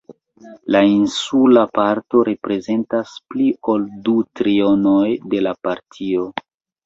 La insula parto reprezentas pli ol du trionoj de la partio.